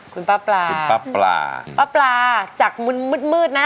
คุณป้าปลาคุณป้าปลาป้าปลาจากมึนมืดมืดนะ